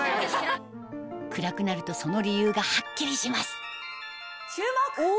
暗くなるとその理由がはっきりします注目！